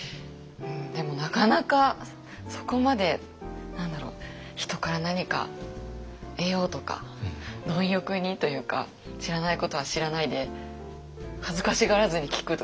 でもなかなかそこまで何だろう人から何か得ようとか貪欲にというか知らないことは知らないで恥ずかしがらずに聞くとか。